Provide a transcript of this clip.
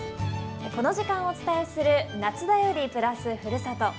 この時間お伝えする「夏だより＋ふるさと」。